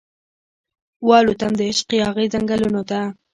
والوتم دعشق یاغې ځنګلونو ته